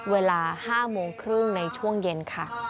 เวลา๕โมงครึ่งในช่วงเย็นค่ะ